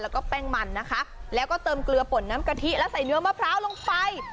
แล้วก็แป้งมันนะคะแล้วก็เติมเกลือป่นน้ำกะทิและใส่เนื้อมะพร้าวลงไป